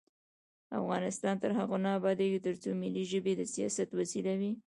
افغانستان تر هغو نه ابادیږي، ترڅو ملي ژبې د سیاست وسیله وي.